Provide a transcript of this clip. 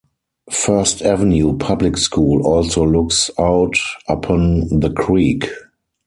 First Avenue Public School also looks out upon the creek.